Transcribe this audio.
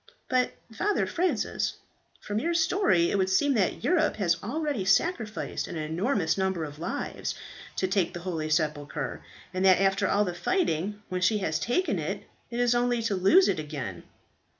"But, Father Francis, from your story it would seem that Europe has already sacrificed an enormous number of lives to take the holy sepulchre, and that after all the fighting, when she has taken it, it is only to lose it again."